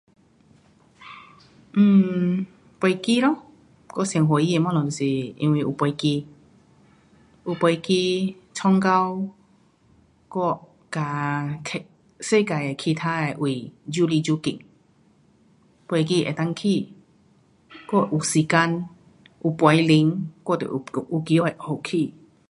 um 飞机咯，唯一的东西是因为有飞机，有飞机弄到我和世界其他的位越来越近。飞机可以去我有时间有飞来我就有机会去。